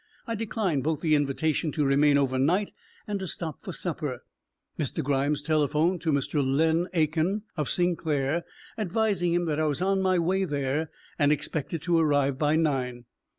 I declined both the invitation to remain over night and to stop for supper. Mr. Grimes telephoned to Mr. Len A n, of Sinclair, advising him that I was on my way there and expected to arrive by nine.